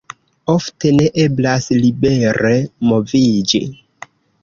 Ofte ne eblas libere moviĝi.